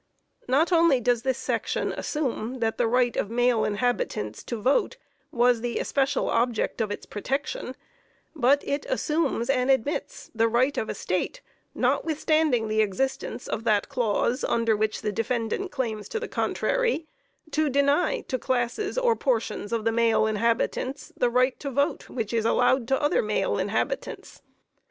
Not only does this section assume that the right of male inhabitants to vote was the especial object of its protection, but it assumes and admits the right of a State, notwithstanding the existence of that clause under which the defendant claims to the contrary, to deny to classes or portions of the male inhabitants the right to vote which is allowed to other male inhabitants.